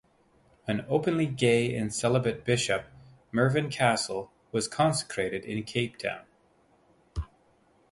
An openly gay and celibate bishop, Mervyn Castle, was consecrated in Cape Town.